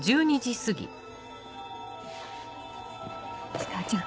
石川ちゃん